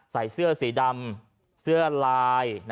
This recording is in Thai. ใส่เสื้อสีดำเสื้อลาย